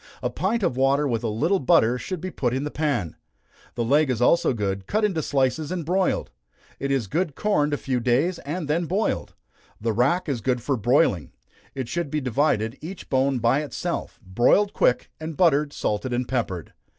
A pint of water with a little butter should be put in the pan. The leg is also good, cut into slices and broiled. It is good corned a few days, and then boiled. The rack is good for broiling it should be divided, each bone by itself, broiled quick, and buttered, salted and peppered.